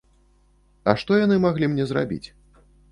А што яны маглі мне зрабіць?